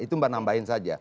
itu mbak tambahin saja